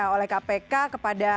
oleh kpk kepada